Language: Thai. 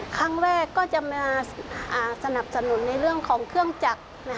ครั้งแรกก็จะมาสนับสนุนในเรื่องของเครื่องจักร